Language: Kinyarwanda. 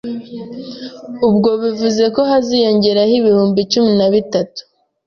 ubwo bivuze ko haziyongeraho ibihumbi cumi na bitatu